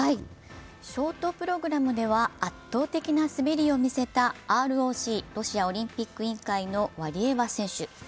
ショートプログラムでは圧倒的な滑りを見せたＲＯＣ＝ロシアオリンピック委員会のワリエワ選手。